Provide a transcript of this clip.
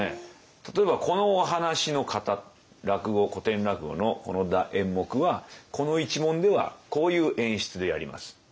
例えばこのお話の型落語古典落語のこの演目はこの一門ではこういう演出でやります。